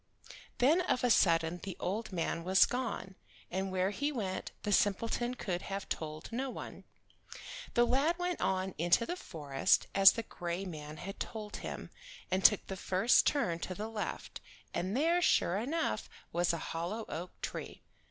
Then of a sudden the old man was gone, and where he went the simpleton could have told no one. The lad went on into the forest, as the gray man had told him, and took the first turn to the left, and there sure enough was a hollow oak tree.